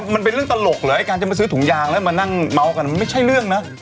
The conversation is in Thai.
มันเป็นเรื่องตลกเหรอไอ้การจะมาซื้อถุงยางแล้วมานั่งเมาส์กันมันไม่ใช่เรื่องนะ